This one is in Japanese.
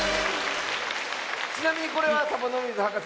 ちなみにこれはサボノミズはかせ